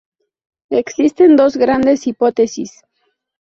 Existen dos grandes hipótesis.